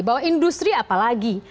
bahwa industri apalagi